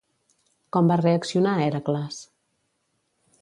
Com va reaccionar Hèracles?